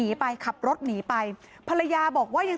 ปี๖๕วันเกิดปี๖๔ไปร่วมงานเช่นเดียวกัน